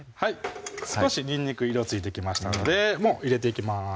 少しにんにく色ついてきましたのでもう入れていきます